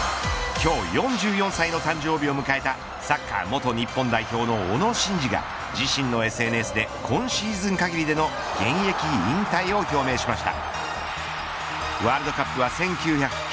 今日４４歳の誕生日を迎えたサッカー元日本代表の小野伸二が自身のＳＮＳで今シーズン限りでの現役引退を表明しました。